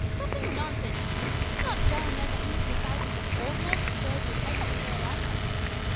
Stuff and nonsense? Did not Jarwin know that hundreds of thousands of old men enjoyed their pipes to the very last.